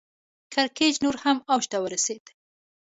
کړکېچ نور هم اوج ته ورسېد.